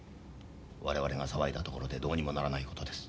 我々が騒いだところでどうにもならないことです。